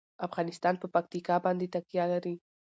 افغانستان په پکتیکا باندې تکیه لري.